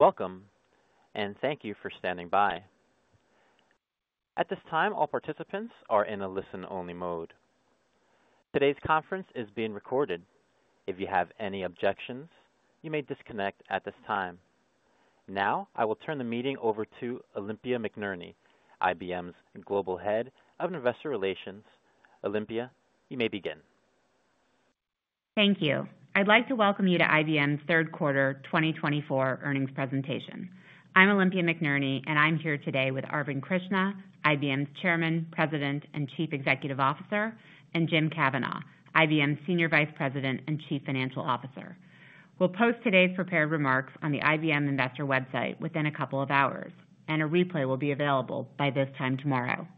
Welcome, and thank you for standing by. At this time, all participants are in a listen-only mode. Today's conference is being recorded. If you have any objections, you may disconnect at this time. Now, I will turn the meeting over to Olympia McNerney, IBM's Global Head of Investor Relations. Olympia, you may begin. Thank you. I'd like to welcome you to IBM's third quarter 2024 earnings presentation. I'm Olympia McNerney, and I'm here today with Arvind Krishna, IBM's Chairman, President, and Chief Executive Officer, and Jim Kavanaugh, IBM's Senior Vice President and Chief Financial Officer. We'll post today's prepared remarks on the IBM investor website within a couple of hours, and a replay will be available by this time tomorrow.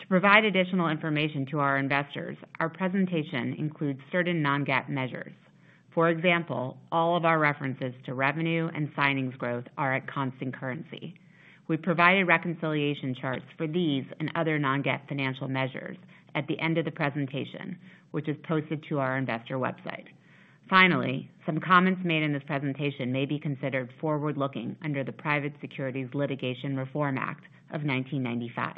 To provide additional information to our investors, our presentation includes certain non-GAAP measures. For example, all of our references to revenue and signings growth are at constant currency. We provided reconciliation charts for these and other non-GAAP financial measures at the end of the presentation, which is posted to our investor website. Finally, some comments made in this presentation may be considered forward-looking under the Private Securities Litigation Reform Act of 1995.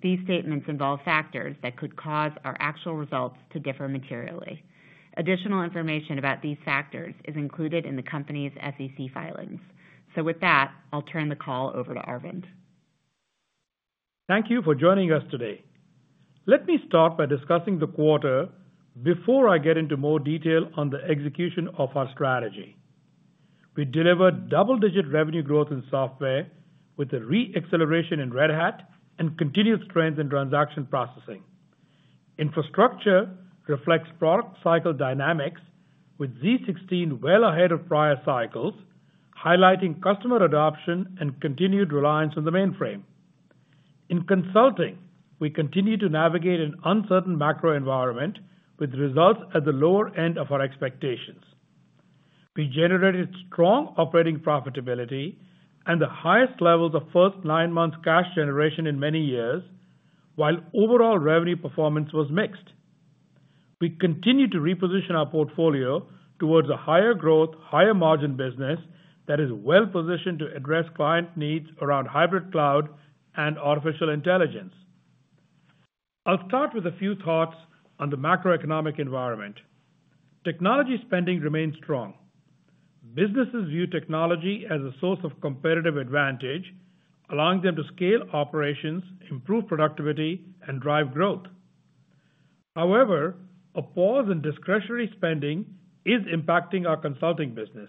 These statements involve factors that could cause our actual results to differ materially. Additional information about these factors is included in the company's SEC filings. So with that, I'll turn the call over to Arvind. Thank you for joining us today. Let me start by discussing the quarter before I get into more detail on the execution of our strategy. We delivered double-digit revenue growth in software with a re-acceleration in Red Hat and continued strength in transaction processing. Infrastructure reflects product cycle dynamics with z16 well ahead of prior cycles, highlighting customer adoption and continued reliance on the mainframe. In consulting, we continue to navigate an uncertain macro environment with results at the lower end of our expectations. We generated strong operating profitability and the highest levels of first nine months cash generation in many years, while overall revenue performance was mixed. We continue to reposition our portfolio towards a higher growth, higher margin business that is well-positioned to address client needs around hybrid cloud and artificial intelligence. I'll start with a few thoughts on the macroeconomic environment. Technology spending remains strong. Businesses view technology as a source of competitive advantage, allowing them to scale operations, improve productivity, and drive growth. However, a pause in discretionary spending is impacting our consulting business.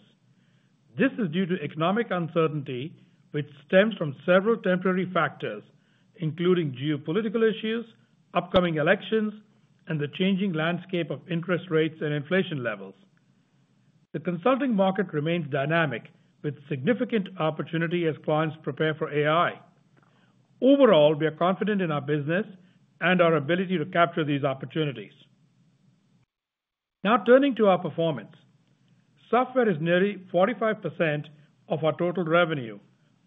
This is due to economic uncertainty, which stems from several temporary factors, including geopolitical issues, upcoming elections, and the changing landscape of interest rates and inflation levels. The consulting market remains dynamic, with significant opportunity as clients prepare for AI. Overall, we are confident in our business and our ability to capture these opportunities. Now, turning to our performance. Software is nearly 45% of our total revenue,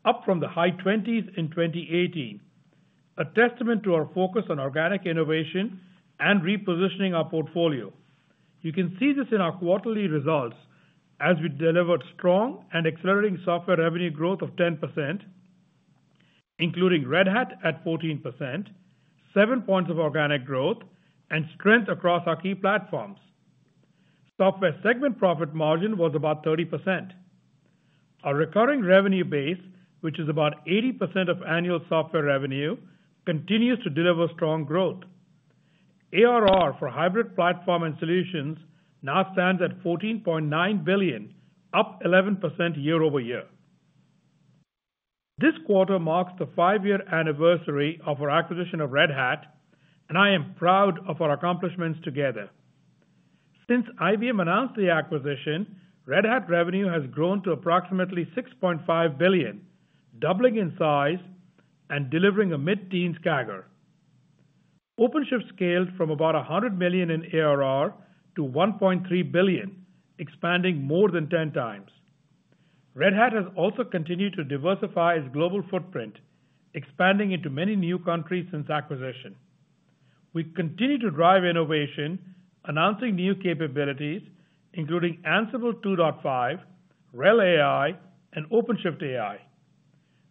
up from the high twenties in 2018, a testament to our focus on organic innovation and repositioning our portfolio. You can see this in our quarterly results, as we delivered strong and accelerating software revenue growth of 10%, including Red Hat at 14%, 7 points of organic growth, and strength across our key platforms. Software segment profit margin was about 30%. Our recurring revenue base, which is about 80% of annual software revenue, continues to deliver strong growth. ARR for hybrid platform and solutions now stands at $14.9 billion, up 11% year-over-year. This quarter marks the five-year anniversary of our acquisition of Red Hat, and I am proud of our accomplishments together. Since IBM announced the acquisition, Red Hat revenue has grown to approximately $6.5 billion, doubling in size and delivering a mid-teen CAGR. OpenShift scaled from about $100 million in ARR to $1.3 billion, expanding more than 10x. Red Hat has also continued to diversify its global footprint, expanding into many new countries since acquisition. We continue to drive innovation, announcing new capabilities, including Ansible 2.5, RHEL AI, and OpenShift AI.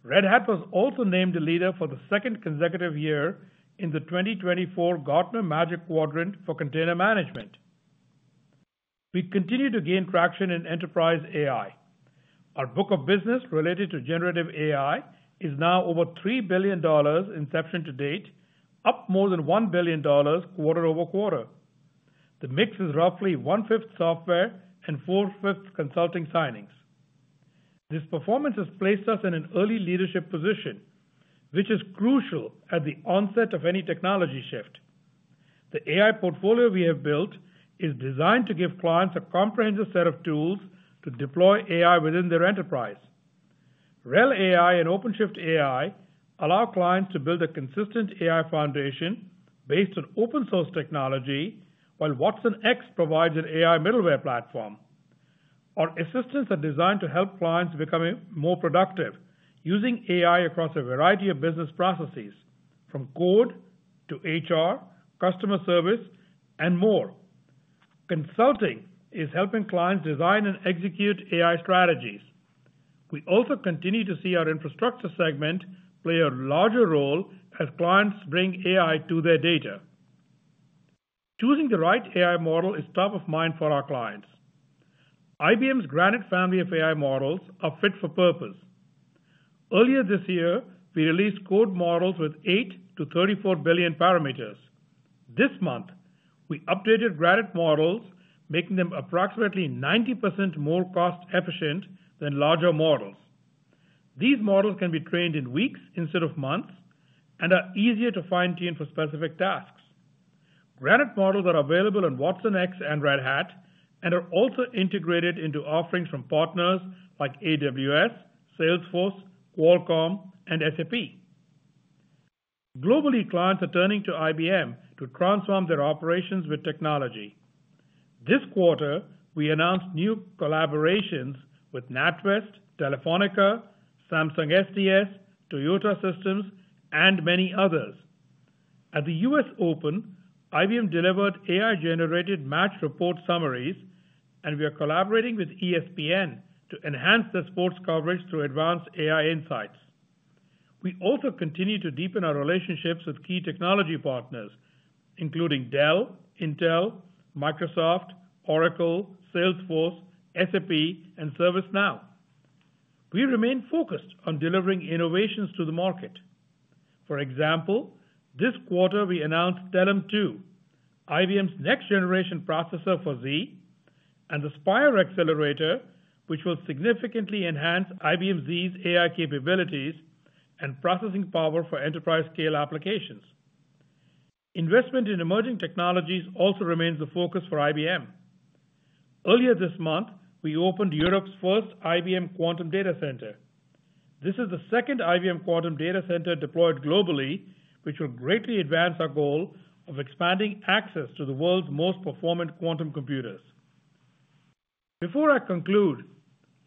Red Hat was also named a leader for the second consecutive year in the 2024 Gartner Magic Quadrant for Container Management. We continue to gain traction in enterprise AI. Our book of business related to generative AI is now over $3 billion inception to date, up more than $1 billion quarter-over-quarter. The mix is roughly 1/5 software and 4/5 consulting signings. This performance has placed us in an early leadership position, which is crucial at the onset of any technology shift. The AI portfolio we have built is designed to give clients a comprehensive set of tools to deploy AI within their enterprise. RHEL AI and OpenShift AI allow clients to build a consistent AI foundation based on open source technology, while watsonx provides an AI middleware platform. Our assistants are designed to help clients become more productive using AI across a variety of business processes, from code to HR, customer service, and more. Consulting is helping clients design and execute AI strategies. We also continue to see our infrastructure segment play a larger role as clients bring AI to their data. Choosing the right AI model is top of mind for our clients. IBM's Granite family of AI models are fit for purpose. Earlier this year, we released code models with eight to 34 billion parameters. This month, we updated Granite models, making them approximately 90% more cost efficient than larger models. These models can be trained in weeks instead of months, and are easier to fine-tune for specific tasks. Granite models are available on watsonx and Red Hat, and are also integrated into offerings from partners like AWS, Salesforce, Qualcomm, and SAP. Globally, clients are turning to IBM to transform their operations with technology. This quarter, we announced new collaborations with NatWest, Telefonica, Samsung SDS, Toyota Systems, and many others. At the U.S. Open, IBM delivered AI-generated match report summaries, and we are collaborating with ESPN to enhance the sports coverage through advanced AI insights. We also continue to deepen our relationships with key technology partners, including Dell, Intel, Microsoft, Oracle, Salesforce, SAP, and ServiceNow. We remain focused on delivering innovations to the market. For example, this quarter, we announced Telum II, IBM's next generation processor for Z, and the Spyre Accelerator, which will significantly enhance IBM Z's AI capabilities and processing power for enterprise scale applications. Investment in emerging technologies also remains the focus for IBM. Earlier this month, we opened Europe's first IBM Quantum Data Center. This is the second IBM Quantum Data Center deployed globally, which will greatly advance our goal of expanding access to the world's most performant quantum computers. Before I conclude,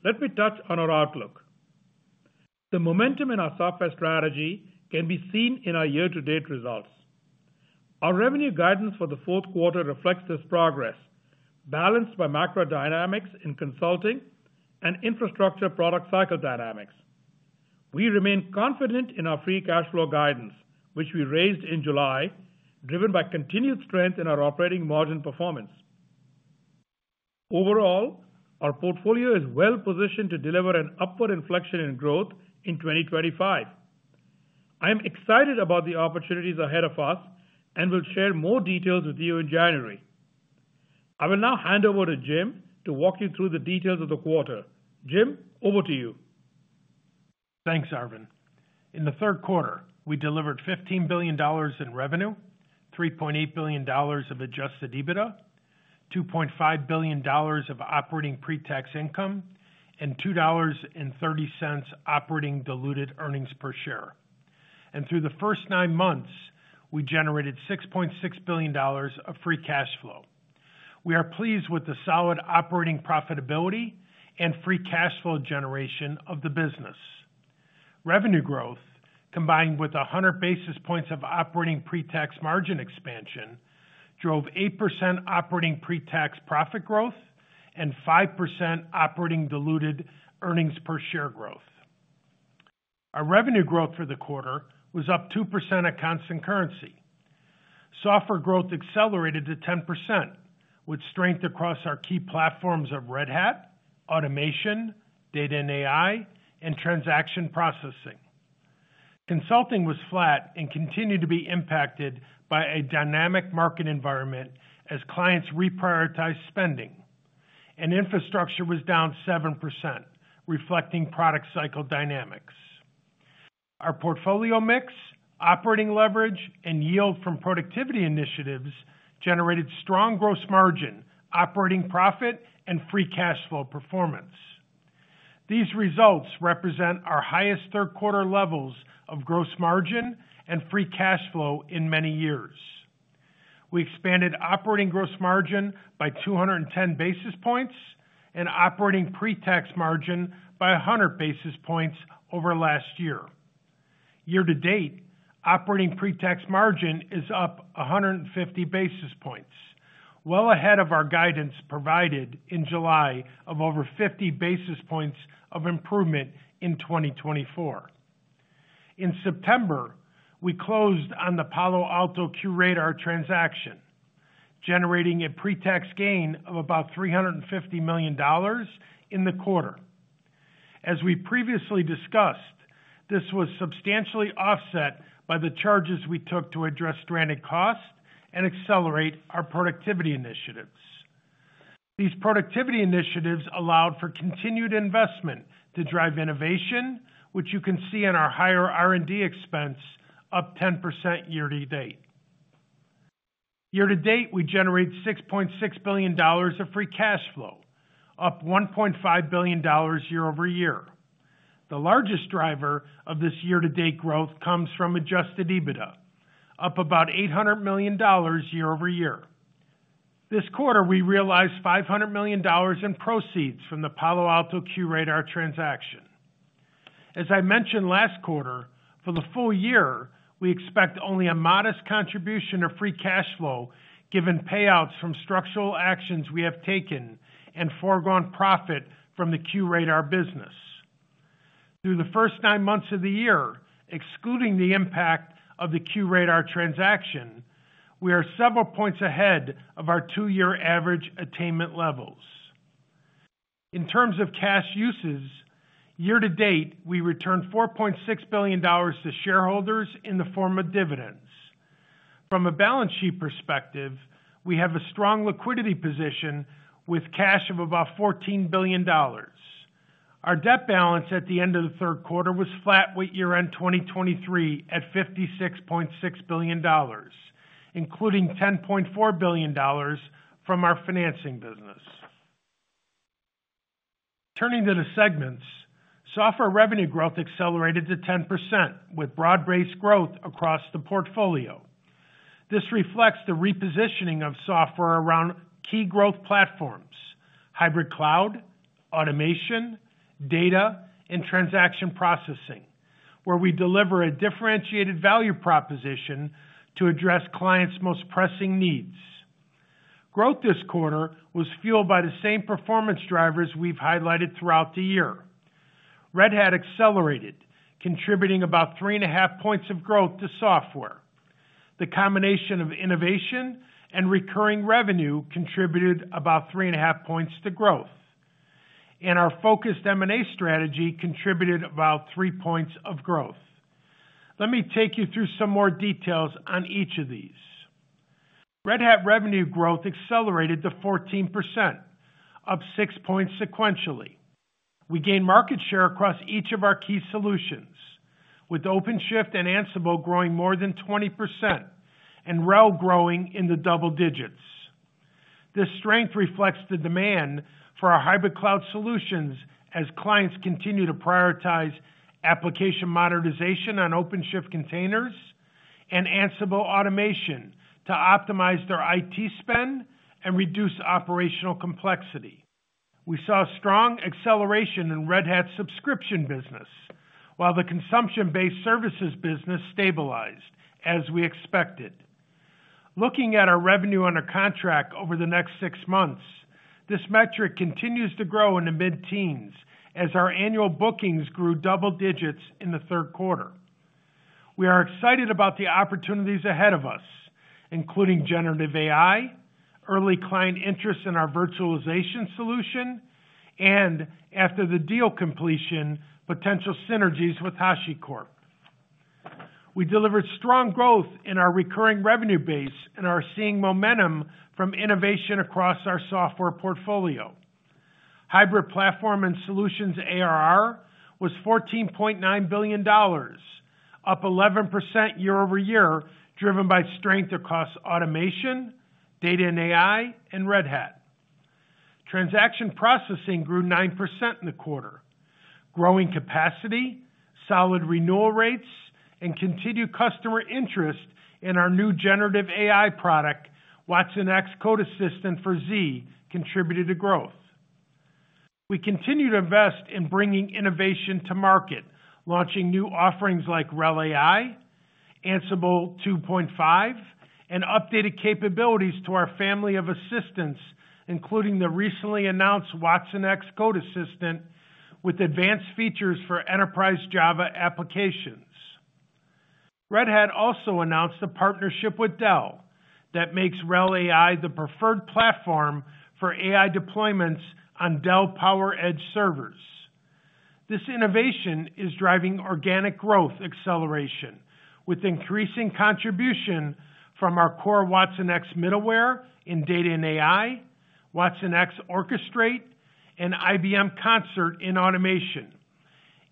let me touch on our outlook. The momentum in our software strategy can be seen in our year-to-date results. Our revenue guidance for the fourth quarter reflects this progress, balanced by macro dynamics in consulting and infrastructure product cycle dynamics. We remain confident in our free cash flow guidance, which we raised in July, driven by continued strength in our operating margin performance. Overall, our portfolio is well-positioned to deliver an upward inflection in growth in 2025. I am excited about the opportunities ahead of us, and we'll share more details with you in January. I will now hand over to Jim to walk you through the details of the quarter. Jim, over to you. Thanks, Arvind. In the third quarter, we delivered $15 billion in revenue, $3.8 billion of adjusted EBITDA, $2.5 billion of operating pre-tax income, and $2.30 operating diluted earnings per share. Through the first nine months, we generated $6.6 billion of free cash flow. We are pleased with the solid operating profitability and free cash flow generation of the business. Revenue growth, combined with 100 basis points of operating pre-tax margin expansion, drove 8% operating pre-tax profit growth and 5% operating diluted earnings per share growth. Our revenue growth for the quarter was up 2% at constant currency. Software growth accelerated to 10%, with strength across our key platforms of Red Hat, automation, data and AI, and transaction processing. Consulting was flat and continued to be impacted by a dynamic market environment as clients reprioritized spending, and infrastructure was down 7%, reflecting product cycle dynamics. Our portfolio mix, operating leverage, and yield from productivity initiatives generated strong gross margin, operating profit, and free cash flow performance. These results represent our highest third quarter levels of gross margin and free cash flow in many years. We expanded operating gross margin by 210 basis points and operating pre-tax margin by 100 basis points over last year. Year-to-date, operating pre-tax margin is up 150 basis points, well ahead of our guidance provided in July of over 50 basis points of improvement in 2024. In September, we closed on the Palo Alto Networks QRadar transaction, generating a pre-tax gain of about $350 million in the quarter. As we previously discussed, this was substantially offset by the charges we took to address stranded costs and accelerate our productivity initiatives. These productivity initiatives allowed for continued investment to drive innovation, which you can see in our higher R&D expense, up 10% year-to-date. Year-to-date, we generate $6.6 billion of free cash flow, up $1.5 billion year-over-year. The largest driver of this year-to-date growth comes from adjusted EBITDA, up about $800 million year-over-year. This quarter, we realized $500 million in proceeds from the Palo Alto QRadar transaction. As I mentioned last quarter, for the full year, we expect only a modest contribution of free cash flow, given payouts from structural actions we have taken and foregone profit from the QRadar business. Through the first nine months of the year, excluding the impact of the QRadar transaction, we are several points ahead of our two-year average attainment levels. In terms of cash uses, year-to-date, we returned $4.6 billion to shareholders in the form of dividends. From a balance sheet perspective, we have a strong liquidity position with cash of about $14 billion. Our debt balance at the end of the third quarter was flat with year-end 2023, at $56.6 billion, including $10.4 billion from our financing business. Turning to the segments, software revenue growth accelerated to 10%, with broad-based growth across the portfolio. This reflects the repositioning of software around key growth platforms, hybrid cloud, automation, data, and transaction processing, where we deliver a differentiated value proposition to address clients' most pressing needs. Growth this quarter was fueled by the same performance drivers we've highlighted throughout the year. Red Hat accelerated, contributing about three and a half points of growth to software. The combination of innovation and recurring revenue contributed about three and a half points to growth, and our focused M&A strategy contributed about three points of growth. Let me take you through some more details on each of these. Red Hat revenue growth accelerated to 14%, up six points sequentially. We gained market share across each of our key solutions, with OpenShift and Ansible growing more than 20%, and RHEL growing in the double digits. This strength reflects the demand for our hybrid cloud solutions as clients continue to prioritize application modernization on OpenShift containers and Ansible automation to optimize their IT spend and reduce operational complexity. We saw strong acceleration in Red Hat subscription business, while the consumption-based services business stabilized, as we expected. Looking at our revenue under contract over the next six months, this metric continues to grow in the mid-teens as our annual bookings grew double digits in the third quarter. We are excited about the opportunities ahead of us, including generative AI, early client interest in our virtualization solution, and after the deal completion, potential synergies with HashiCorp. We delivered strong growth in our recurring revenue base and are seeing momentum from innovation across our software portfolio. Hybrid platform and solutions ARR was $14.9 billion, up 11% year-over-year, driven by strength across automation, data and AI, and Red Hat. Transaction processing grew 9% in the quarter. Growing capacity, solid renewal rates, and continued customer interest in our new generative AI product, watsonx Code Assistant for Z, contributed to growth. We continue to invest in bringing innovation to market, launching new offerings like RHEL AI, Ansible 2.5, and updated capabilities to our family of assistants, including the recently announced watsonx Code Assistant, with advanced features for enterprise Java applications. Red Hat also announced a partnership with Dell that makes RHEL AI the preferred platform for AI deployments on Dell PowerEdge servers. This innovation is driving organic growth acceleration, with increasing contribution from our core watsonx Middleware in data and AI, watsonx Orchestrate, and IBM Concert in automation,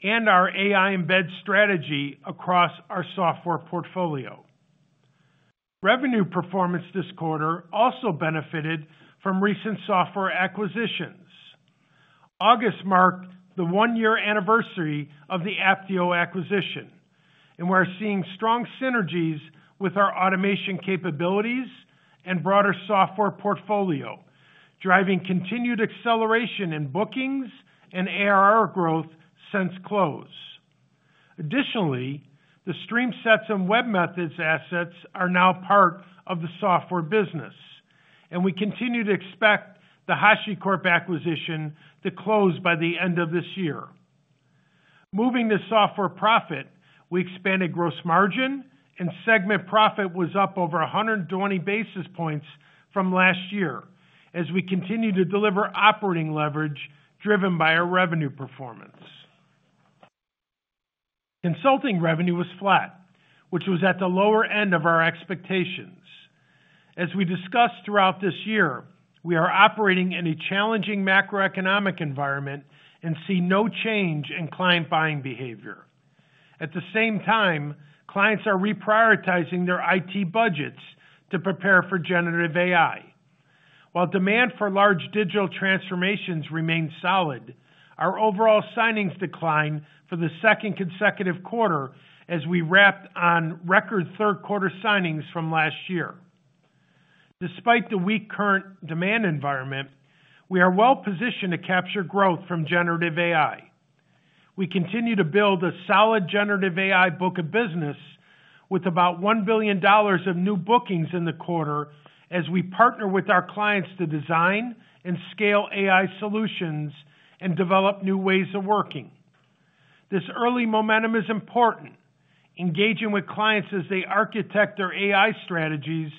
and our AI embed strategy across our software portfolio. Revenue performance this quarter also benefited from recent software acquisitions. August marked the one-year anniversary of the Apptio acquisition, and we're seeing strong synergies with our automation capabilities and broader software portfolio, driving continued acceleration in bookings and ARR growth since close. Additionally, the StreamSets and webMethods assets are now part of the software business, and we continue to expect the HashiCorp acquisition to close by the end of this year. Moving to software profit, we expanded gross margin, and segment profit was up over a 120 basis points from last year, as we continue to deliver operating leverage driven by our revenue performance. Consulting revenue was flat, which was at the lower end of our expectations. As we discussed throughout this year, we are operating in a challenging macroeconomic environment and see no change in client buying behavior. At the same time, clients are reprioritizing their IT budgets to prepare for generative AI. While demand for large digital transformations remains solid, our overall signings declined for the second consecutive quarter as we wrapped on record third-quarter signings from last year. Despite the weak current demand environment, we are well-positioned to capture growth from generative AI. We continue to build a solid generative AI book of business, with about $1 billion of new bookings in the quarter, as we partner with our clients to design and scale AI solutions and develop new ways of working. This early momentum is important. Engaging with clients as they architect their AI strategies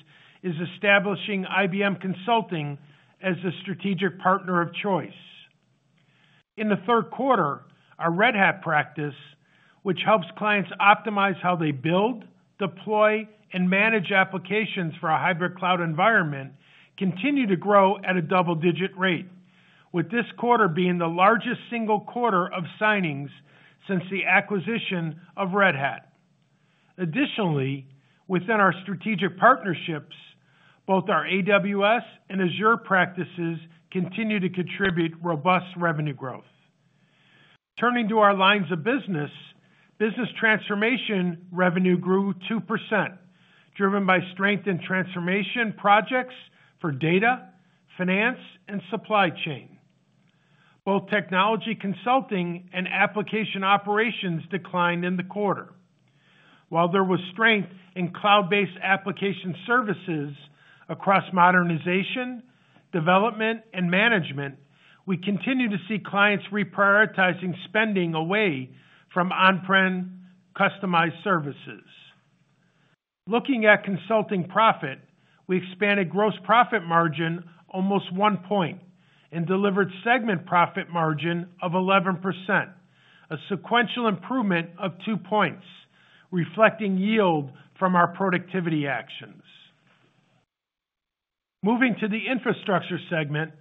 is establishing IBM Consulting as a strategic partner of choice. In the third quarter, our Red Hat practice, which helps clients optimize how they build, deploy, and manage applications for a hybrid cloud environment, continued to grow at a double-digit rate, with this quarter being the largest single quarter of signings since the acquisition of Red Hat. Additionally, within our strategic partnerships, both our AWS and Azure practices continue to contribute robust revenue growth. Turning to our lines of business, business transformation revenue grew 2%, driven by strength in transformation projects for data, finance, and supply chain. Both technology consulting and application operations declined in the quarter. While there was strength in cloud-based application services across modernization, development, and management, we continue to see clients reprioritizing spending away from on-prem customized services. Looking at consulting profit, we expanded gross profit margin almost one point and delivered segment profit margin of 11%, a sequential improvement of two points, reflecting yield from our productivity actions. Moving to the infrastructure segment,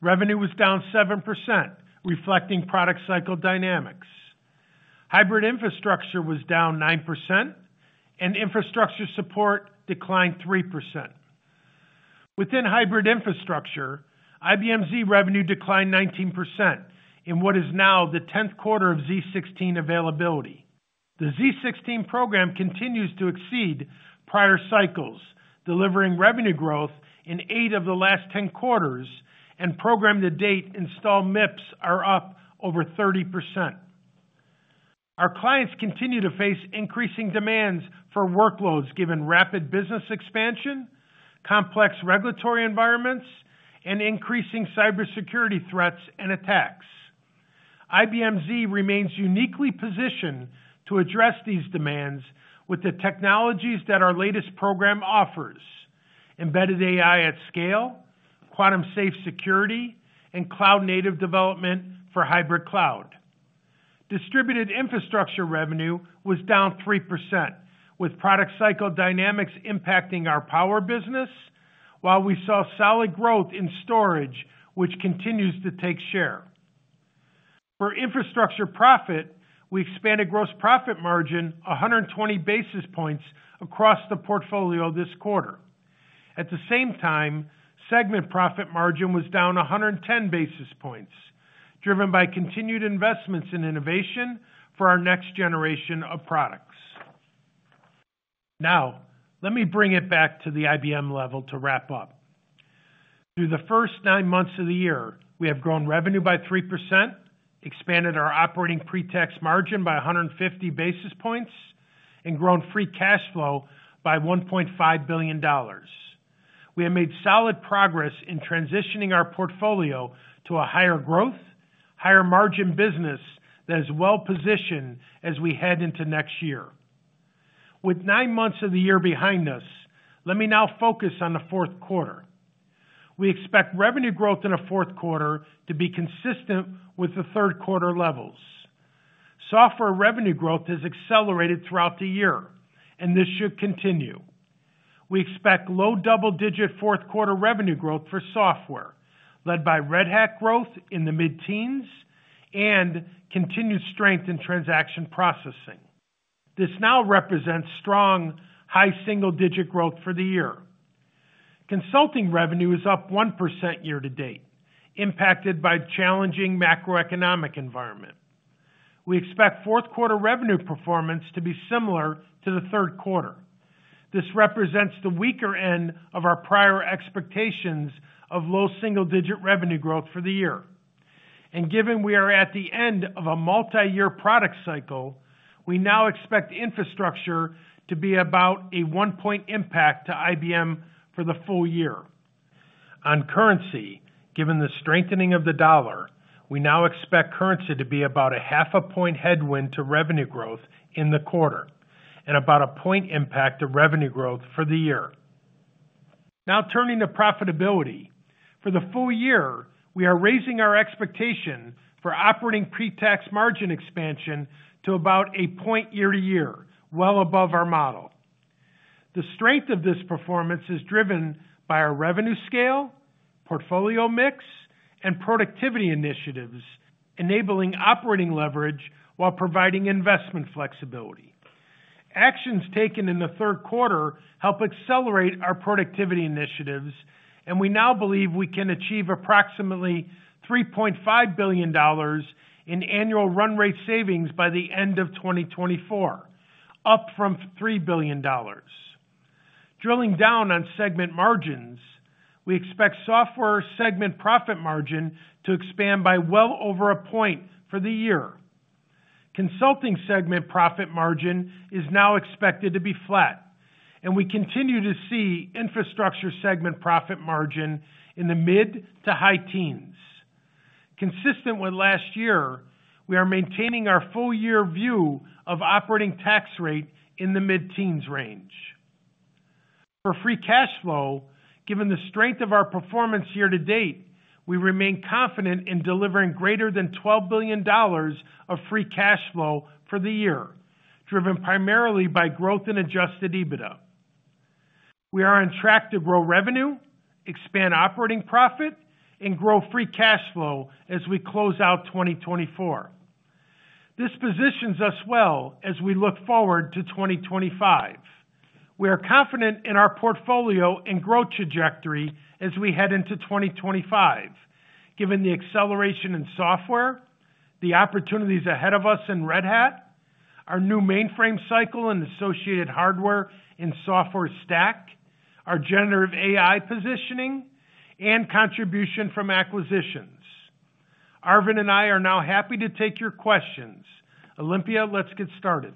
revenue was down 7%, reflecting product cycle dynamics. Hybrid infrastructure was down 9%, and infrastructure support declined 3%. Within hybrid infrastructure, IBM Z revenue declined 19% in what is now the tenth quarter of z16 availability. The z16 program continues to exceed prior cycles, delivering revenue growth in eight of the last 10 quarters, and program-to-date install MIPS are up over 30%. Our clients continue to face increasing demands for workloads, given rapid business expansion, complex regulatory environments, and increasing cybersecurity threats and attacks. IBM Z remains uniquely positioned to address these demands with the technologies that our latest program offers: embedded AI at scale, quantum safe security, and cloud-native development for hybrid cloud. Distributed infrastructure revenue was down 3%, with product cycle dynamics impacting our power business, while we saw solid growth in storage, which continues to take share. For infrastructure profit, we expanded gross profit margin 100 basis points across the portfolio this quarter. At the same time, segment profit margin was down 110 basis points, driven by continued investments in innovation for our next generation of products. Now, let me bring it back to the IBM level to wrap up. Through the first nine months of the year, we have grown revenue by 3%, expanded our operating pre-tax margin by 150 basis points, and grown free cash flow by $1.5 billion. We have made solid progress in transitioning our portfolio to a higher growth, higher margin business that is well-positioned as we head into next year. With nine months of the year behind us, let me now focus on the fourth quarter. We expect revenue growth in the fourth quarter to be consistent with the third quarter levels. Software revenue growth has accelerated throughout the year, and this should continue. We expect low double-digit fourth quarter revenue growth for software, led by Red Hat growth in the mid-teens and continued strength in transaction processing. This now represents strong, high single-digit growth for the year. Consulting revenue is up 1% year-to-date, impacted by challenging macroeconomic environment. We expect fourth quarter revenue performance to be similar to the third quarter. This represents the weaker end of our prior expectations of low single-digit revenue growth for the year. And given we are at the end of a multiyear product cycle, we now expect infrastructure to be about a 1-point impact to IBM for the full year. On currency, given the strengthening of the dollar, we now expect currency to be about a 0.5-point headwind to revenue growth in the quarter and about a 1-point impact to revenue growth for the year. Now turning to profitability. For the full year, we are raising our expectation for operating pre-tax margin expansion to about 1 point year to year, well above our model. The strength of this performance is driven by our revenue scale, portfolio mix, and productivity initiatives, enabling operating leverage while providing investment flexibility. Actions taken in the third quarter help accelerate our productivity initiatives, and we now believe we can achieve approximately $3.5 billion in annual run rate savings by the end of 2024, up from $3 billion. Drilling down on segment margins, we expect software segment profit margin to expand by well over 1 point for the year. Consulting segment profit margin is now expected to be flat, and we continue to see infrastructure segment profit margin in the mid- to high teens. Consistent with last year, we are maintaining our full year view of operating tax rate in the mid-teens range. For free cash flow, given the strength of our performance year-to-date, we remain confident in delivering greater than $12 billion of free cash flow for the year, driven primarily by growth in adjusted EBITDA. We are on track to grow revenue, expand operating profit, and grow free cash flow as we close out 2024. This positions us well as we look forward to 2025. We are confident in our portfolio and growth trajectory as we head into 2025, given the acceleration in software, the opportunities ahead of us in Red Hat, our new mainframe cycle and associated hardware and software stack, our generative AI positioning, and contribution from acquisitions. Arvind and I are now happy to take your questions. Olympia, let's get started.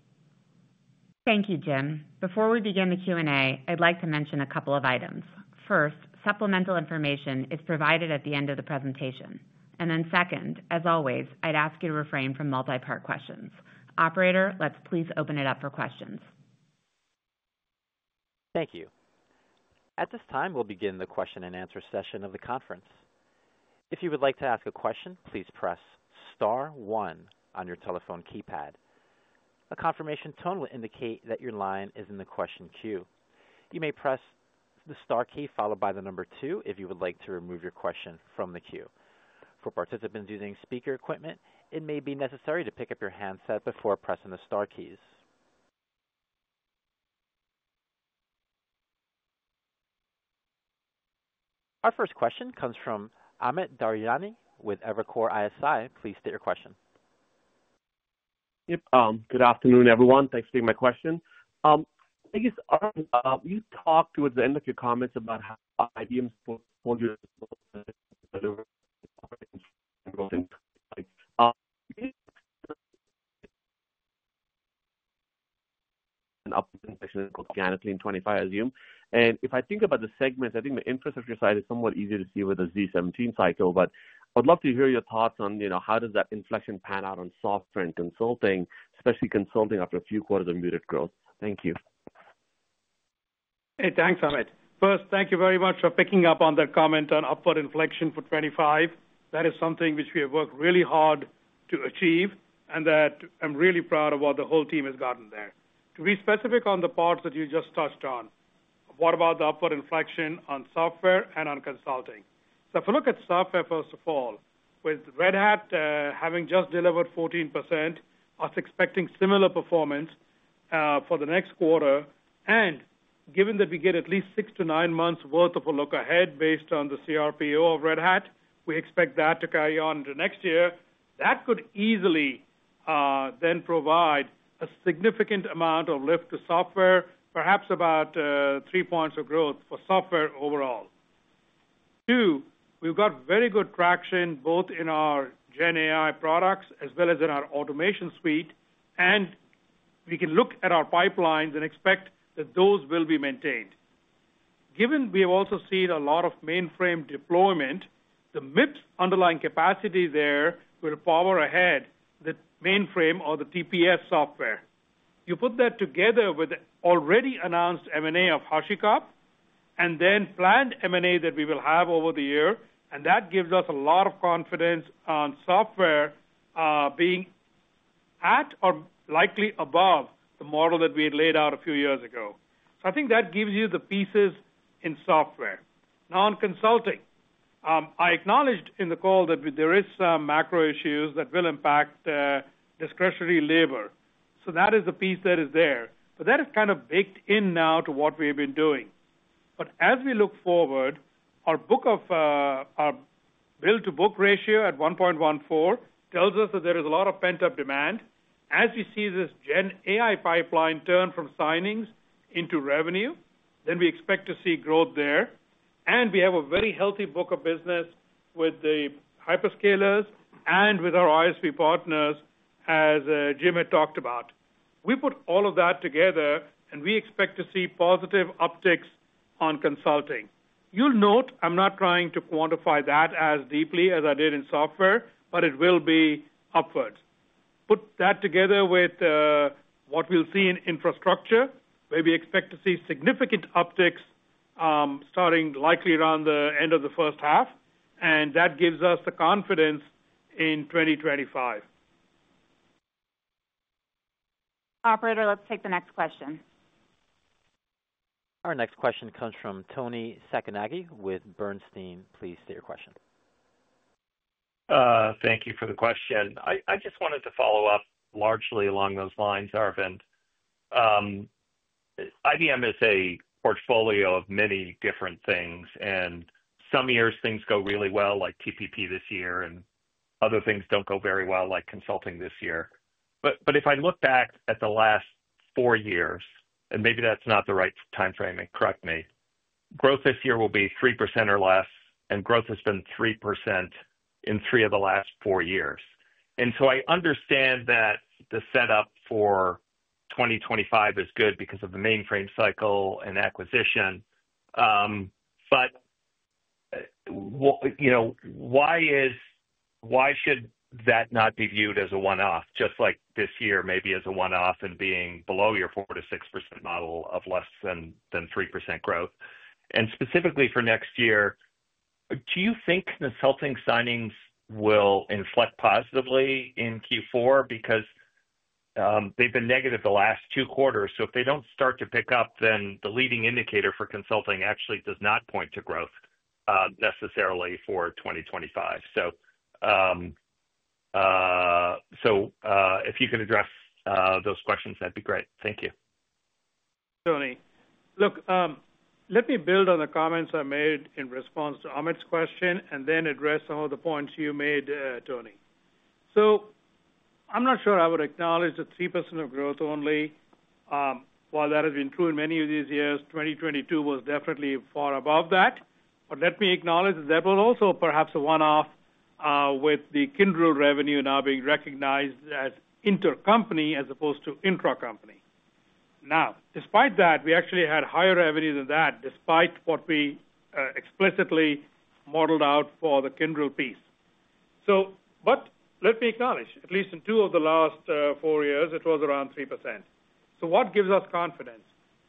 Thank you, Jim. Before we begin the Q&A, I'd like to mention a couple of items. First, supplemental information is provided at the end of the presentation, and then second, as always, I'd ask you to refrain from multi-part questions. Operator, let's please open it up for questions. Thank you. At this time, we'll begin the question-and-answer session of the conference. If you would like to ask a question, please press star one on your telephone keypad. A confirmation tone will indicate that your line is in the question queue. You may press the star key followed by the number two, if you would like to remove your question from the queue. For participants using speaker equipment, it may be necessary to pick up your handset before pressing the star keys. Our first question comes from Amit Daryanani with Evercore ISI. Please state your question. Yep, good afternoon, everyone. Thanks for taking my question. I guess, Arvind, you talked towards the end of your comments about how IBM's portfolio in 2025, I assume. If I think about the segments, I think the infrastructure side is somewhat easier to see with the z17 cycle, but I'd love to hear your thoughts on, you know, how does that inflection pan out on software and consulting, especially consulting, after a few quarters of muted growth? Thank you. Hey, thanks, Amit. First, thank you very much for picking up on the comment on upward inflection for 2025. That is something which we have worked really hard to achieve, and that I'm really proud of what the whole team has gotten there. To be specific on the parts that you just touched on, what about the upward inflection on software and on consulting? So if you look at software, first of all, with Red Hat having just delivered 14%, us expecting similar performance for the next quarter, and given that we get at least six to nine months worth of a look ahead based on the CRPO of Red Hat, we expect that to carry on to next year. That could easily then provide a significant amount of lift to software, perhaps about three points of growth for software overall. Two, we've got very good traction, both in our GenAI products as well as in our automation suite, and we can look at our pipelines and expect that those will be maintained. Given we have also seen a lot of mainframe deployment, the MIPS underlying capacity there will power ahead the mainframe or the TPS software. You put that together with the already announced M&A of HashiCorp, and then planned M&A that we will have over the year, and that gives us a lot of confidence on software, being at or likely above the model that we had laid out a few years ago. So I think that gives you the pieces in software. Now, on consulting, I acknowledged in the call that there is some macro issues that will impact, discretionary labor. So that is the piece that is there. That is kind of baked in now to what we've been doing. But as we look forward, our book of our bill-to-book ratio at one point one four tells us that there is a lot of pent-up demand. As we see this GenAI pipeline turn from signings into revenue, then we expect to see growth there. And we have a very healthy book of business with the hyperscalers and with our ISV partners, as Jim had talked about. We put all of that together, and we expect to see positive upticks on consulting. You'll note, I'm not trying to quantify that as deeply as I did in software, but it will be upwards. Put that together with what we'll see in infrastructure, where we expect to see significant upticks, starting likely around the end of the first half, and that gives us the confidence in 2025. Operator, let's take the next question. Our next question comes from Toni Sacconaghi with Bernstein. Please state your question. Thank you for the question. I just wanted to follow up largely along those lines, Arvind. IBM is a portfolio of many different things, and some years things go really well, like TPP this year, and other things don't go very well, like consulting this year. But if I look back at the last four years, and maybe that's not the right time framing, correct me, growth this year will be 3% or less, and growth has been 3% in three of the last four years. And so I understand that the setup for 2025 is good because of the mainframe cycle and acquisition. But you know, why should that not be viewed as a one-off, just like this year maybe as a one-off and being below your 4%-6% model of less than 3% growth? And specifically for next year, do you think consulting signings will inflect positively in Q4? Because they've been negative the last two quarters, so if they don't start to pick up, then the leading indicator for consulting actually does not point to growth necessarily for 2025. If you can address those questions, that'd be great. Thank you. Toni. Look, let me build on the comments I made in response to Amit's question and then address some of the points you made, Toni. So I'm not sure I would acknowledge the 3% of growth only. While that has been true in many of these years, 2022 was definitely far above that. But let me acknowledge that that was also perhaps a one-off, with the Kyndryl revenue now being recognized as intercompany as opposed to intracompany. Now, despite that, we actually had higher revenue than that, despite what we explicitly modeled out for the Kyndryl piece. So, but let me acknowledge, at least in two of the last four years, it was around 3%. So what gives us confidence?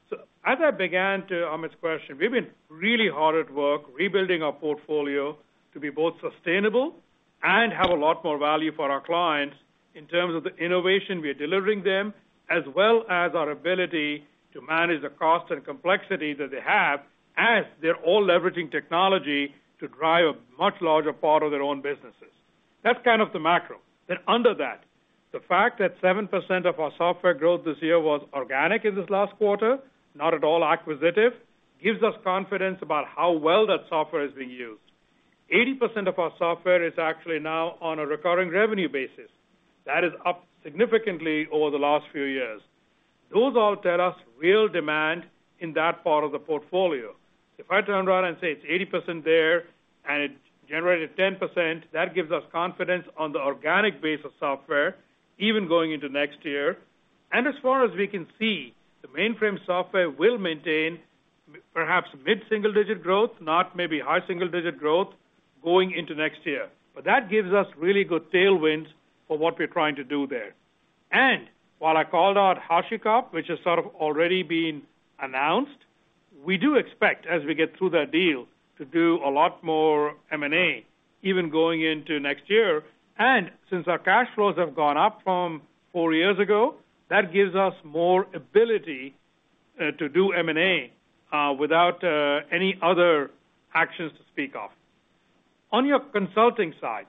So as I began to answer Amit's question, we've been really hard at work rebuilding our portfolio to be both sustainable and have a lot more value for our clients in terms of the innovation we are delivering them, as well as our ability to manage the cost and complexity that they have as they're all leveraging technology to drive a much larger part of their own businesses. That's kind of the macro. Then under that, the fact that 7% of our software growth this year was organic in this last quarter, not at all acquisitive, gives us confidence about how well that software is being used. 80% of our software is actually now on a recurring revenue basis. That is up significantly over the last few years. Those all tell us real demand in that part of the portfolio. If I turn around and say it's 80% there and it generated 10%, that gives us confidence on the organic base of software, even going into next year. And as far as we can see, the mainframe software will maintain perhaps mid-single-digit growth, not maybe high single-digit growth, going into next year. But that gives us really good tailwinds for what we're trying to do there. And while I called out HashiCorp, which has sort of already been announced, we do expect, as we get through that deal, to do a lot more M&A, even going into next year. And since our cash flows have gone up from four years ago, that gives us more ability to do M&A without any other actions to speak of. On your consulting side,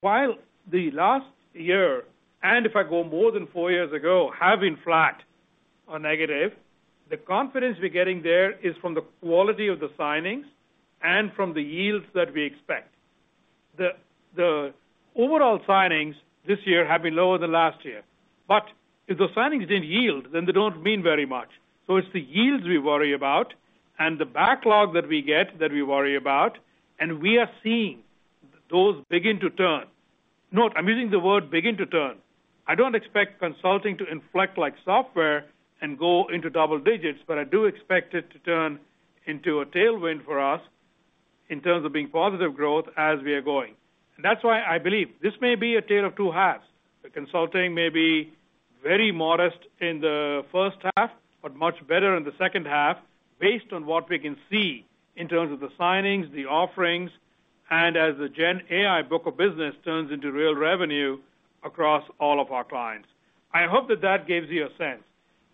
while the last year, and if I go more than four years ago, have been flat or negative, the confidence we're getting there is from the quality of the signings and from the yields that we expect. The overall signings this year have been lower than last year, but if the signings didn't yield, then they don't mean very much. So it's the yields we worry about and the backlog that we get that we worry about, and we are seeing those begin to turn. Note, I'm using the word begin to turn. I don't expect consulting to inflect like software and go into double digits, but I do expect it to turn into a tailwind for us in terms of being positive growth as we are going, and that's why I believe this may be a tale of two halves. The consulting may be very modest in the first half, but much better in the second half, based on what we can see in terms of the signings, the offerings, and as the GenAI book of business turns into real revenue across all of our clients. I hope that that gives you a sense.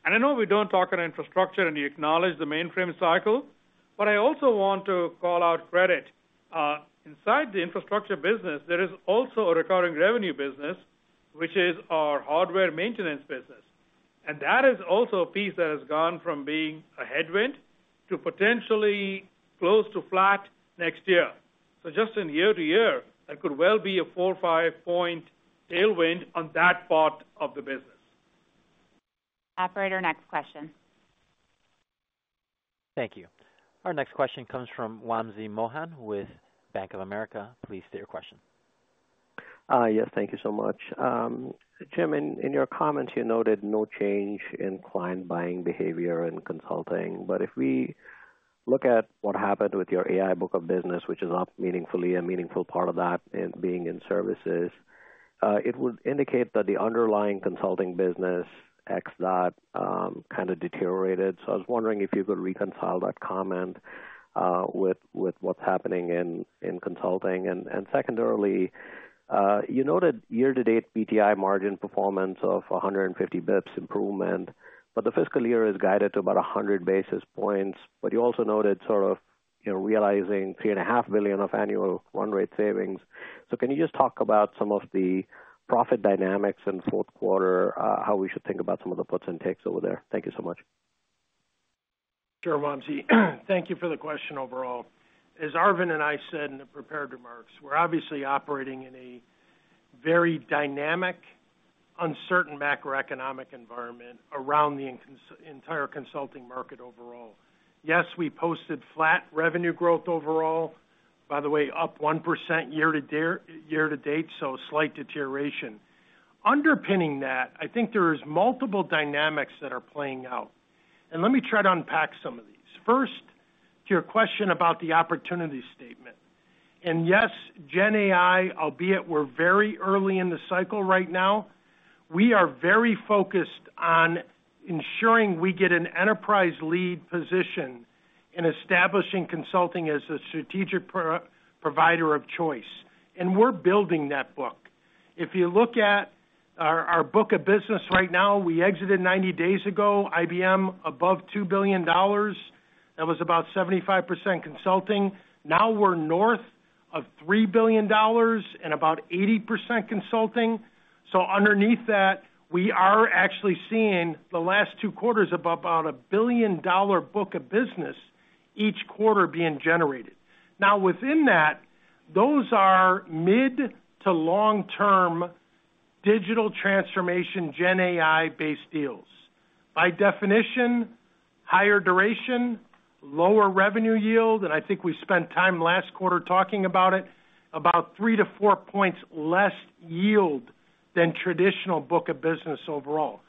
And I know we don't talk on infrastructure, and you acknowledge the mainframe cycle, but I also want to call out credit. Inside the infrastructure business, there is also a recurring revenue business, which is our hardware maintenance business, and that is also a piece that has gone from being a headwind to potentially close to flat next year. So just in year to year, that could well be a four or five-point tailwind on that part of the business. Operator, next question. Thank you. Our next question comes from Wamsi Mohan with Bank of America. Please state your question. Yes, thank you so much. Jim, in your comments, you noted no change in client buying behavior and consulting, but if we look at what happened with your AI book of business, which is not a meaningful part of that in services, it would indicate that the underlying consulting business ex that kind of deteriorated. I was wondering if you could reconcile that comment with what's happening in consulting. Secondarily, you noted year-to-date PTI margin performance of a 150 bps improvement, but the fiscal year is guided to about a 100 basis points, but you also noted, you know, realizing $3.5 billion of annual run-rate savings. Can you just talk about some of the profit dynamics in the fourth quarter, how we should think about some of the puts and takes over there? Thank you so much.... Sure, Wamsi, thank you for the question overall. As Arvind and I said in the prepared remarks, we're obviously operating in a very dynamic, uncertain macroeconomic environment around the entire consulting market overall. Yes, we posted flat revenue growth overall, by the way, up 1% year-to-date, so slight deterioration. Underpinning that, I think there is multiple dynamics that are playing out, and let me try to unpack some of these. First, to your question about the opportunity statement, and yes, GenAI, albeit we're very early in the cycle right now, we are very focused on ensuring we get an enterprise lead position in establishing consulting as a strategic provider of choice, and we're building that book. If you look at our book of business right now, we exited 90 days ago, IBM, above $2 billion. That was about 75% consulting. Now we're north of $3 billion and about 80% consulting. So underneath that, we are actually seeing the last two quarters of about a $1 billion book of business, each quarter being generated. Now, within that, those are mid- to long-term digital transformation, GenAI-based deals. By definition, higher duration, lower revenue yield, and I think we spent time last quarter talking about it, about three to four points less yield than traditional book of business overall.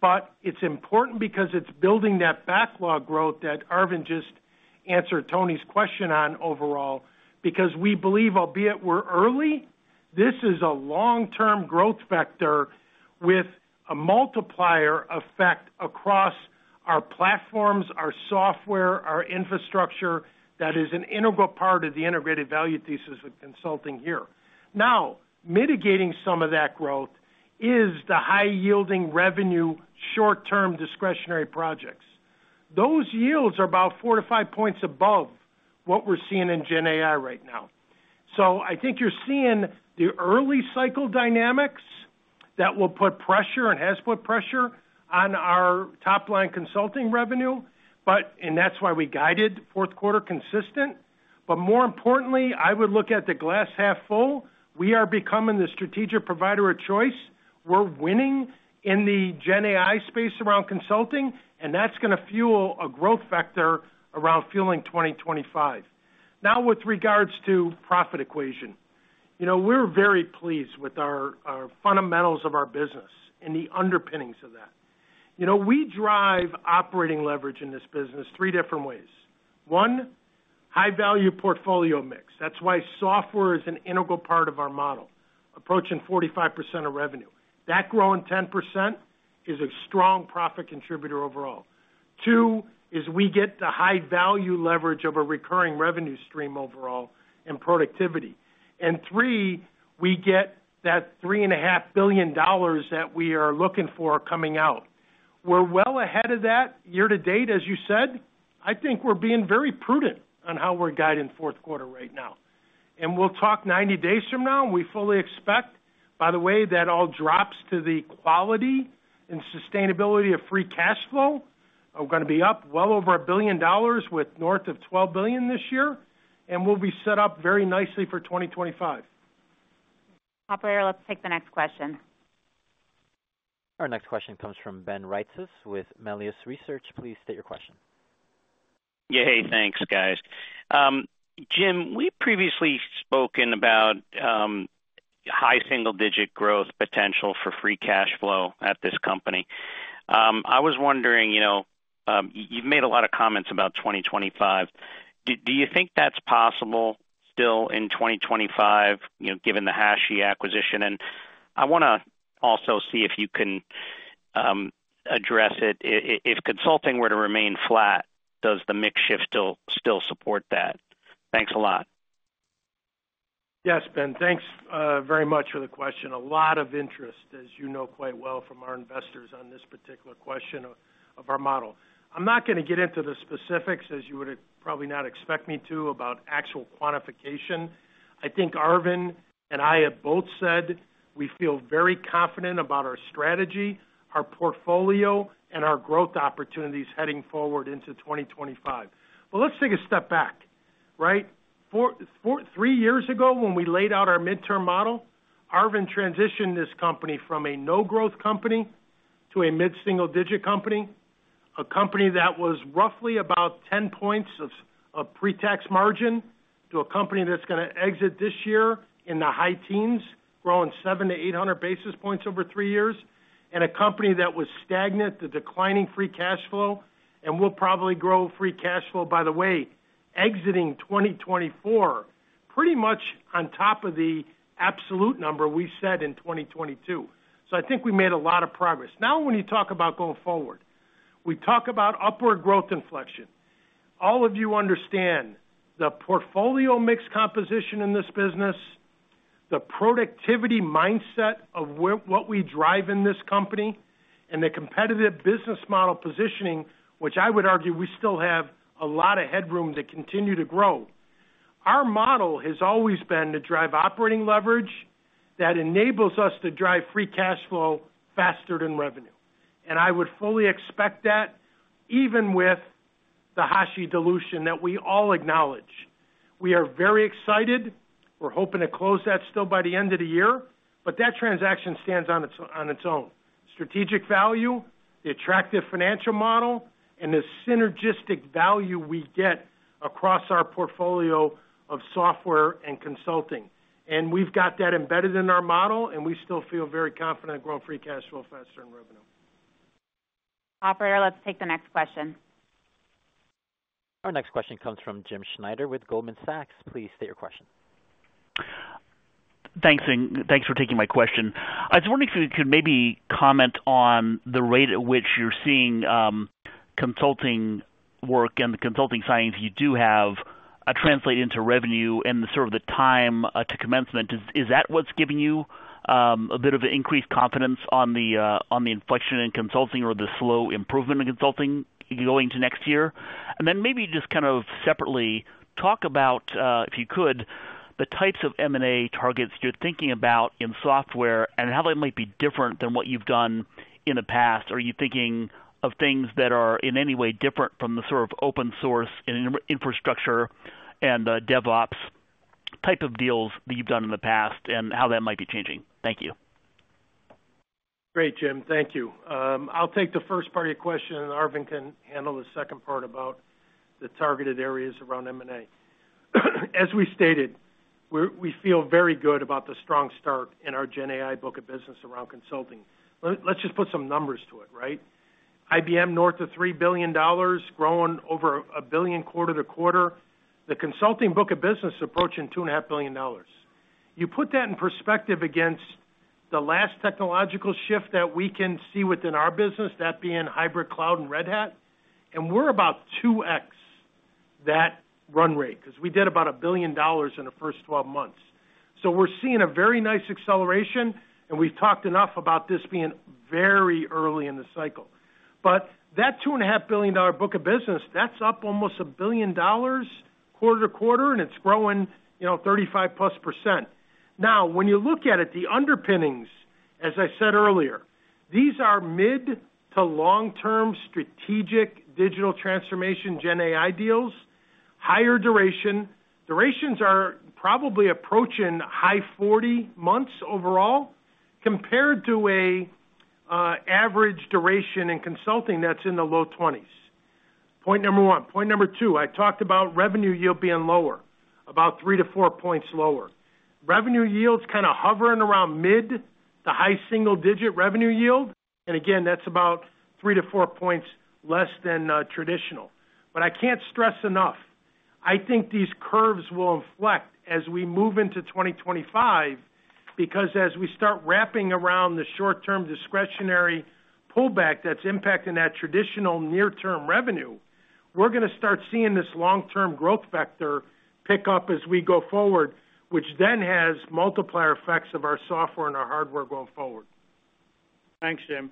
But it's important because it's building that backlog growth that Arvind just answered Toni's question on overall, because we believe, albeit we're early, this is a long-term growth vector with a multiplier effect across our platforms, our software, our infrastructure, that is an integral part of the integrated value thesis with consulting here. Now, mitigating some of that growth is the high-yielding revenue, short-term discretionary projects. Those yields are about four to five points above what we're seeing in GenAI right now. So I think you're seeing the early cycle dynamics that will put pressure and has put pressure on our top-line consulting revenue, but and that's why we guided fourth quarter consistent. But more importantly, I would look at the glass half full. We are becoming the strategic provider of choice. We're winning in the GenAI space around consulting, and that's gonna fuel a growth vector around fueling 2025. Now, with regards to profit equation. You know, we're very pleased with our fundamentals of our business and the underpinnings of that. You know, we drive operating leverage in this business three different ways. One, high value portfolio mix. That's why software is an integral part of our model, approaching 45% of revenue. That growing 10% is a strong profit contributor overall. Two, is we get the high value leverage of a recurring revenue stream overall and productivity. And three, we get that $3.5 billion that we are looking for coming out. We're well ahead of that year-to-date, as you said. I think we're being very prudent on how we're guiding fourth quarter right now. And we'll talk 90 days from now, and we fully expect, by the way, that all drops to the quality and sustainability of free cash flow are gonna be up well over $1 billion with north of $12 billion this year, and we'll be set up very nicely for 2025. Operator, let's take the next question. Our next question comes from Ben Reitzes with Melius Research. Please state your question. Yay, thanks, guys. Jim, we've previously spoken about high single-digit growth potential for free cash flow at this company. I was wondering, you know, you've made a lot of comments about 2025. Do you think that's possible still in 2025, you know, given the HashiCorp acquisition? And I wanna also see if you can address it, if consulting were to remain flat, does the mix shift still support that? Thanks a lot. Yes, Ben. Thanks, very much for the question. A lot of interest, as you know quite well from our investors on this particular question of our model. I'm not gonna get into the specifics, as you would probably not expect me to, about actual quantification. I think Arvind and I have both said we feel very confident about our strategy, our portfolio, and our growth opportunities heading forward into 2025. But let's take a step back, right? Three years ago, when we laid out our midterm model, Arvind transitioned this company from a no-growth company to a mid-single-digit company, a company that was roughly about 10 points of pre-tax margin, to a company that's gonna exit this year in the high teens, growing 700-800 basis points over three years, and a company that was stagnant, with declining free cash flow, and will probably grow free cash flow, by the way, exiting 2024, pretty much on top of the absolute number we set in 2022. So I think we made a lot of progress. Now, when you talk about going forward, we talk about upward growth inflection. All of you understand the portfolio mix composition in this business, the productivity mindset of what we drive in this company, and the competitive business model positioning, which I would argue we still have a lot of headroom to continue to grow. Our model has always been to drive operating leverage that enables us to drive free cash flow faster than revenue, and I would fully expect that even with the HashiCorp dilution that we all acknowledge. We are very excited. We're hoping to close that still by the end of the year, but that transaction stands on its own strategic value, the attractive financial model, and the synergistic value we get across our portfolio of software and consulting, and we've got that embedded in our model, and we still feel very confident growing free cash flow faster than revenue. Operator, let's take the next question. Our next question comes from Jim Schneider with Goldman Sachs. Please state your question. Thanks, and thanks for taking my question. I was wondering if you could maybe comment on the rate at which you're seeing consulting work and the consulting signings you do have translate into revenue and the sort of time to commencement. Is that what's giving you a bit of an increased confidence on the inflection in consulting or the slow improvement in consulting going to next year? And then maybe just kind of separately, talk about, if you could, the types of M&A targets you're thinking about in software and how that might be different than what you've done in the past. Are you thinking of things that are in any way different from the sort of open source and infrastructure and DevOps type of deals that you've done in the past, and how that might be changing? Thank you. Great, Jim. Thank you. I'll take the first part of your question, and Arvind can handle the second part about the targeted areas around M&A. As we stated, we feel very good about the strong start in our GenAI book of business around consulting. Let's just put some numbers to it, right? IBM, north of $3 billion, growing over $1 billion quarter to quarter. The consulting book of business approaching $2.5 billion. You put that in perspective against the last technological shift that we can see within our business, that being hybrid cloud and Red Hat, and we're about 2x that run rate, 'cause we did about $1 billion in the first twelve months. So we're seeing a very nice acceleration, and we've talked enough about this being very early in the cycle. But that $2.5 billion book of business, that's up almost $1 billion quarter to quarter, and it's growing, you know, 35%+. Now, when you look at it, the underpinnings, as I said earlier, these are mid- to long-term strategic digital transformation GenAI deals, higher duration. Durations are probably approaching high 40 months overall, compared to a average duration in consulting that's in the low 20s. Point number one. Point number two, I talked about revenue yield being lower, about three to four points lower. Revenue yield's kind of hovering around mid- to high-single-digit revenue yield, and again, that's about three to four points less than traditional. But I can't stress enough, I think these curves will inflect as we move into 2025, because as we start wrapping around the short-term discretionary pullback that's impacting that traditional near-term revenue, we're gonna start seeing this long-term growth vector pick up as we go forward, which then has multiplier effects of our software and our hardware going forward. Thanks, Jim.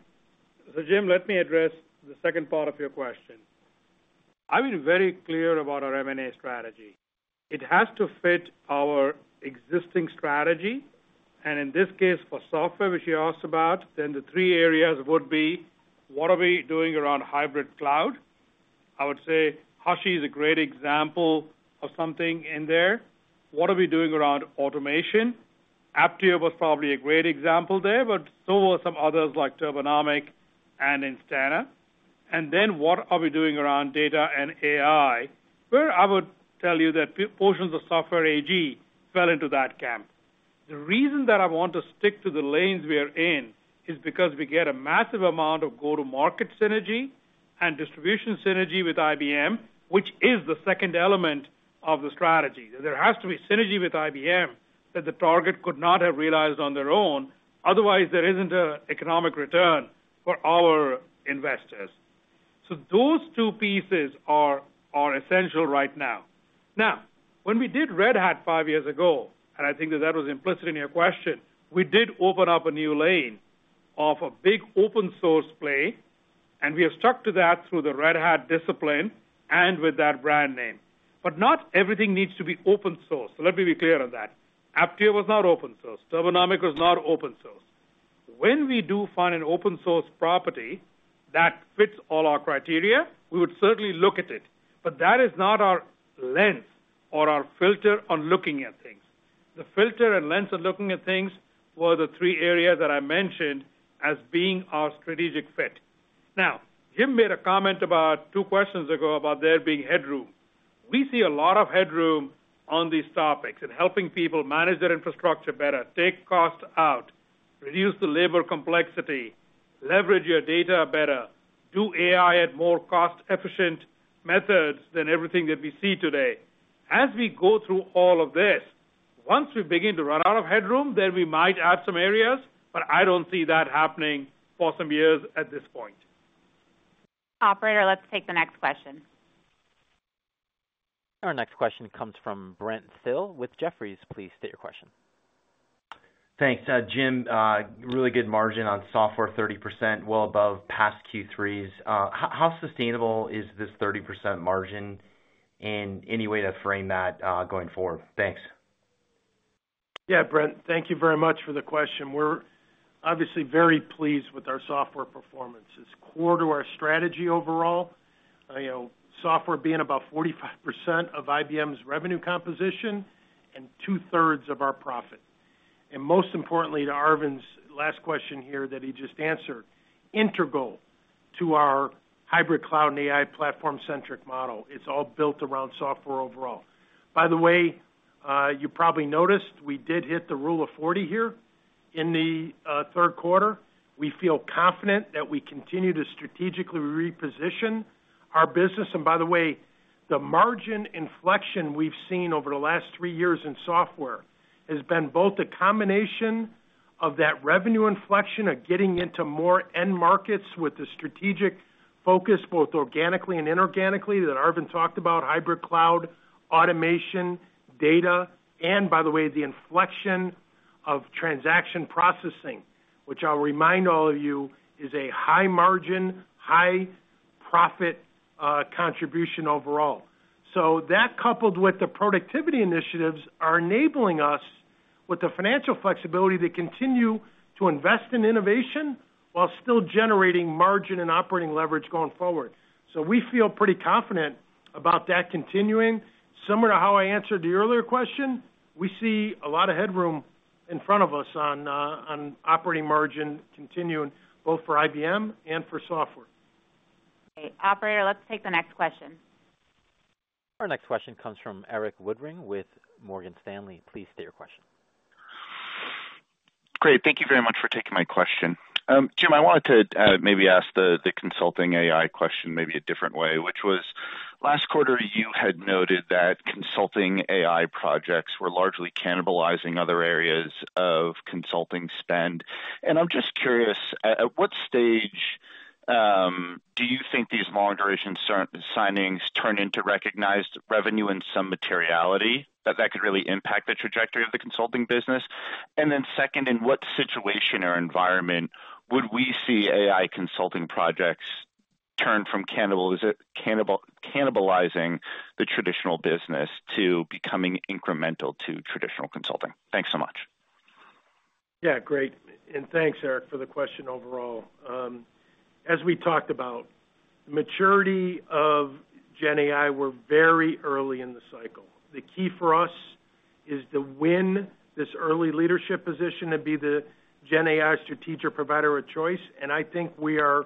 So Jim, let me address the second part of your question. I've been very clear about our M&A strategy. It has to fit our existing strategy, and in this case, for software, which you asked about, then the three areas would be, what are we doing around hybrid cloud? I would say, HashiCorp is a great example of something in there. What are we doing around automation? Apptio was probably a great example there, but so were some others like Turbonomic and Instana. And then, what are we doing around data and AI? Where I would tell you that portions of Software AG fell into that camp. The reason that I want to stick to the lanes we are in, is because we get a massive amount of go-to-market synergy and distribution synergy with IBM, which is the second element of the strategy. There has to be synergy with IBM that the target could not have realized on their own, otherwise, there isn't an economic return for our investors. So those two pieces are essential right now. Now, when we did Red Hat five years ago, and I think that was implicit in your question, we did open up a new lane of a big open source play, and we have stuck to that through the Red Hat discipline and with that brand name. But not everything needs to be open source, so let me be clear on that. Apptio was not open source. Turbonomic was not open source. When we do find an open source property that fits all our criteria, we would certainly look at it, but that is not our lens or our filter on looking at things. The filter and lens on looking at things were the three areas that I mentioned as being our strategic fit. Now, Jim made a comment about two questions ago, about there being headroom. We see a lot of headroom on these topics, in helping people manage their infrastructure better, take costs out, reduce the labor complexity, leverage your data better, do AI at more cost-efficient methods than everything that we see today. As we go through all of this, once we begin to run out of headroom, then we might add some areas, but I don't see that happening for some years at this point. Operator, let's take the next question. Our next question comes from Brent Thill with Jefferies. Please state your question. ... Thanks, Jim. Really good margin on software, 30%, well above past Q3s. How sustainable is this 30% margin, and any way to frame that going forward? Thanks. Yeah, Brent, thank you very much for the question. We're obviously very pleased with our software performance. It's core to our strategy overall, you know, software being about 45% of IBM's revenue composition and 2/3 of our profit. And most importantly, to Arvind's last question here that he just answered, integral to our hybrid cloud and AI platform-centric model, it's all built around software overall. By the way, you probably noticed we did hit the Rule of 40 here in the third quarter. We feel confident that we continue to strategically reposition our business. And by the way, the margin inflection we've seen over the last three years in software has been both a combination of that revenue inflection of getting into more end markets with a strategic focus, both organically and inorganically, that Arvind talked about, hybrid cloud, automation, data, and by the way, the inflection of transaction processing, which I'll remind all of you, is a high margin, high profit, contribution overall. So that, coupled with the productivity initiatives, are enabling us with the financial flexibility to continue to invest in innovation while still generating margin and operating leverage going forward. So we feel pretty confident about that continuing. Similar to how I answered the earlier question, we see a lot of headroom in front of us on operating margin continuing, both for IBM and for software. Okay, operator, let's take the next question. Our next question comes from Erik Woodring with Morgan Stanley. Please state your question. Great. Thank you very much for taking my question. Jim, I wanted to maybe ask the consulting AI question maybe a different way, which was, last quarter, you had noted that consulting AI projects were largely cannibalizing other areas of consulting spend. And I'm just curious, at what stage do you think these long-duration signings turn into recognized revenue and some materiality that could really impact the trajectory of the consulting business? And then second, in what situation or environment would we see AI consulting projects turn from cannibalizing the traditional business to becoming incremental to traditional consulting? Thanks so much. Yeah, great. And thanks, Eric, for the question overall. As we talked about, maturity of GenAI, we're very early in the cycle. The key for us is to win this early leadership position and be the GenAI strategic provider of choice, and I think we are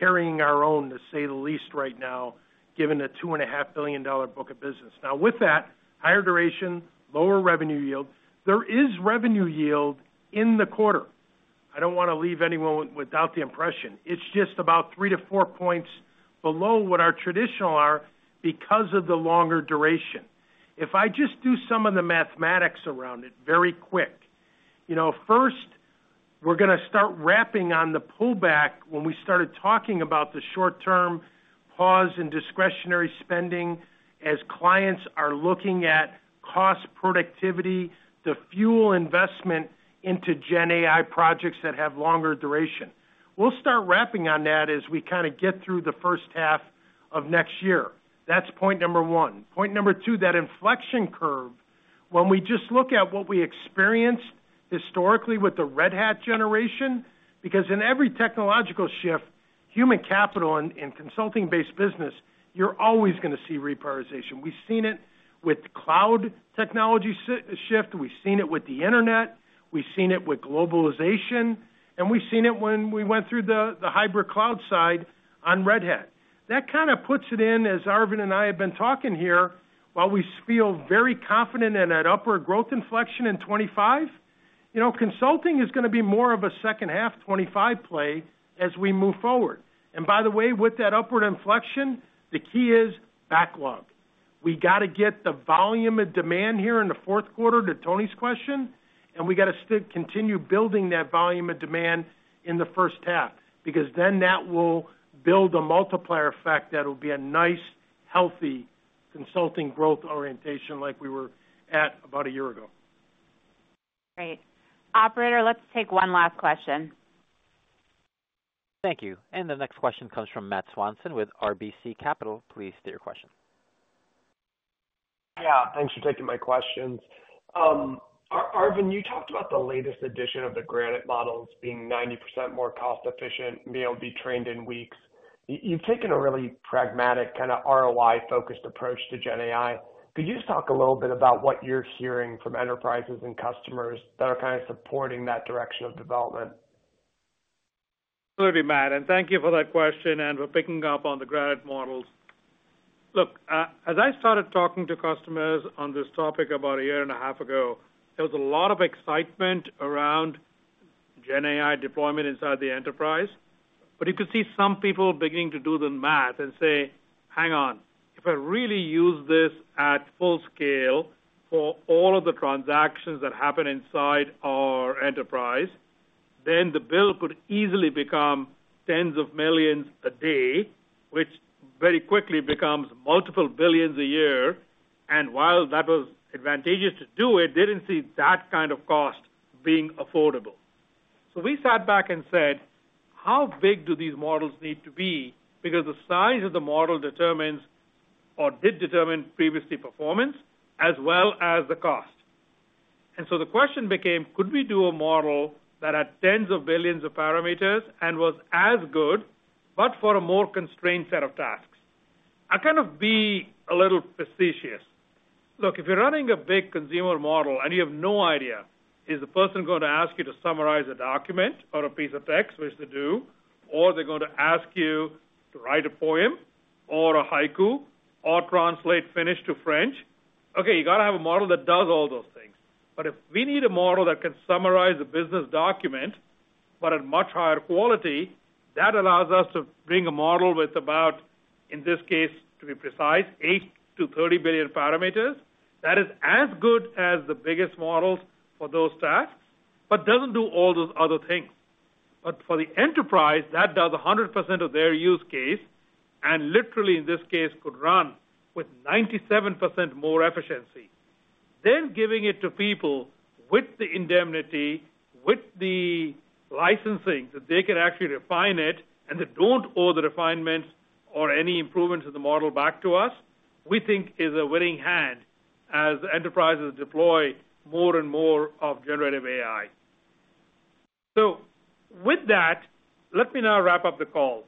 carrying our own, to say the least, right now, given a $2.5 billion book of business. Now, with that, higher duration, lower revenue yield, there is revenue yield in the quarter. I don't want to leave anyone without the impression. It's just about three to four points below what our traditional are because of the longer duration. If I just do some of the mathematics around it very quick, you know, first, we're gonna start ramping on the pullback when we started talking about the short-term pause in discretionary spending, as clients are looking at cost productivity to fuel investment into GenAI projects that have longer duration. We'll start ramping on that as we kinda get through the first half of next year. That's point number one. Point number two, that inflection curve, when we just look at what we experienced historically with the Red Hat generation, because in every technological shift, human capital and consulting-based business, you're always gonna see reprioritization. We've seen it with cloud technology shift, we've seen it with the internet, we've seen it with globalization, and we've seen it when we went through the hybrid cloud side on Red Hat. That kind of puts it in, as Arvind and I have been talking here, while we feel very confident in that upward growth inflection in 2025, you know, consulting is gonna be more of a second half 2025 play as we move forward. And by the way, with that upward inflection, the key is backlog. We got to get the volume and demand here in the fourth quarter, to Toni's question, and we got to continue building that volume and demand in the first half, because then that will build a multiplier effect that will be a nice, healthy consulting growth orientation like we were at about a year ago. Great. Operator, let's take one last question. Thank you, and the next question comes from Matt Swanson with RBC Capital. Please state your question. Yeah, thanks for taking my questions. Arvind, you talked about the latest edition of the Granite models being 90% more cost efficient, and be able to be trained in weeks. You've taken a really pragmatic, kind of ROI-focused approach to GenAI. Could you just talk a little bit about what you're hearing from enterprises and customers that are kind of supporting that direction of development? Absolutely, Matt, and thank you for that question and for picking up on the Granite models. Look, as I started talking to customers on this topic about a year and a half ago, there was a lot of excitement around GenAI deployment inside the enterprise. But you could see some people beginning to do the math and say: Hang on, if I really use this at full scale for all of the transactions that happen inside our enterprise, then the bill could easily become tens of millions a day, which very quickly becomes multiple billions a year. And while that was advantageous to do it, they didn't see that kind of cost being affordable. So we sat back and said, "How big do these models need to be?" Because the size of the model determines or did determine previously performance as well as the cost. The question became: Could we do a model that had tens of billions of parameters and was as good, but for a more constrained set of tasks? I kind of like to be a little facetious. Look, if you're running a big consumer model, and you have no idea, is the person going to ask you to summarize a document or a piece of text, which they do, or are they going to ask you to write a poem or a haiku, or translate Finnish to French? Okay, you got to have a model that does all those things. But if we need a model that can summarize a business document, but at much higher quality, that allows us to bring a model with about, in this case, to be precise, eight to 30 billion parameters, that is as good as the biggest models for those tasks, but doesn't do all those other things. But for the enterprise, that does 100% of their use case, and literally, in this case, could run with 97% more efficiency. Then giving it to people with the indemnity, with the licensing, that they can actually refine it, and they don't owe the refinements or any improvements in the model back to us, we think is a winning hand as enterprises deploy more and more of generative AI. So with that, let me now wrap up the call.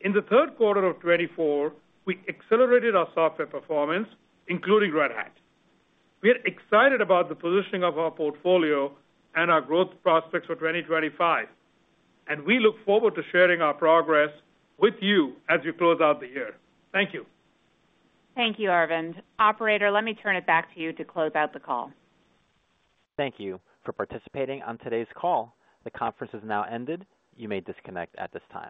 In the third quarter of 2024, we accelerated our software performance, including Red Hat. We are excited about the positioning of our portfolio and our growth prospects for 2025, and we look forward to sharing our progress with you as we close out the year. Thank you. Thank you, Arvind. Operator, let me turn it back to you to close out the call. Thank you for participating on today's call. The conference has now ended. You may disconnect at this time.